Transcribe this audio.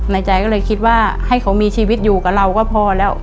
ในใจก็เลยคิดว่าให้เขามีชีวิตอยู่กับเราก็พอแล้ว